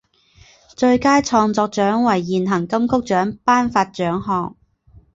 最佳创作奖为现行金曲奖颁发奖项。